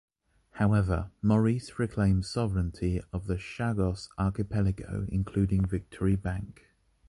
However, Maurice reclaims the sovereignty of the Chagos archipelago, including Victory Bank.